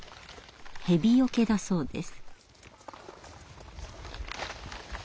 ヘビよけだそうです。